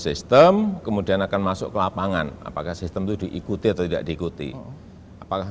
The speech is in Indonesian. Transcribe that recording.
sistem kemudian akan masuk ke lapangan apakah sistem itu diikuti atau tidak diikuti apakah